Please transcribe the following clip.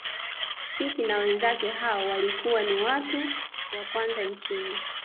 Titi na wenzake hao walikuwa ni watu wa kwanza nchini